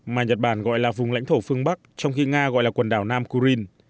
mà nhật bản gọi là vùng lãnh thổ phương bắc trong khi nga gọi là quần đảo nam kurin